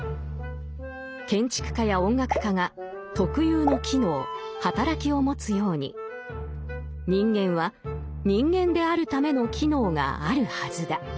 建築家や音楽家が特有の機能働きを持つように人間は人間であるための機能があるはずだ。